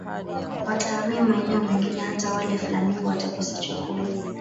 Watahamia maeneo mengine hata wale flamingo watakosa chakula